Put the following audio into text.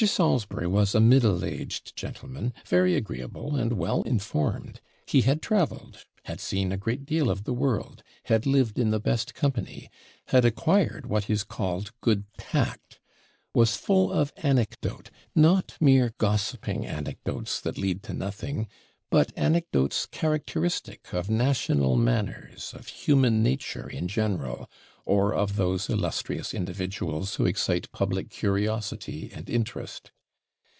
Salisbury was a middle aged gentleman, very agreeable, and well informed; he had travelled; had seen a great deal of the world; had lived in the best company; had acquired what is called good TACT; was full of anecdote, not mere gossiping anecdotes that lead to nothing, but anecdotes characteristic of national manners, of human nature in general, or of those illustrious individuals who excite public curiosity and interest.